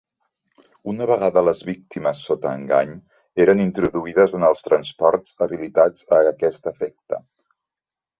Una vegada les víctimes sota engany, eren introduïdes en els transports habilitats a aquest efecte.